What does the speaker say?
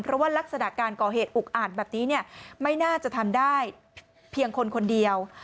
เพราะว่ารักษณะการก่อเหตุอุกอาจแบบนี้ไม่น่าจะทำได้เพียงคนคนเดียว